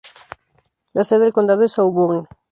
La sede del condado es Auburn.